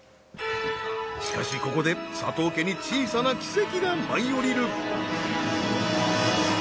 しかしここで佐藤家に小さな奇跡が舞い降りる！